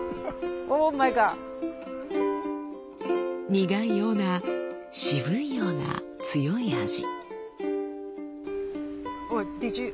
苦いような渋いような強い味。